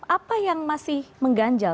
apa yang masih mengganjal